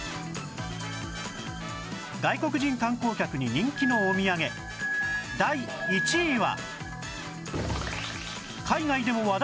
外国人観光客に人気のおみやげ第１位は